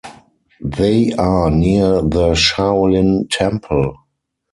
They are near the Shaolin Temple.